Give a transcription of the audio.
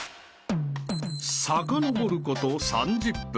［さかのぼること３０分］